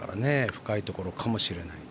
深いところかもしれない。